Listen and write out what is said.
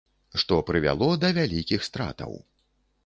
Што прывяло да вялікіх стратаў.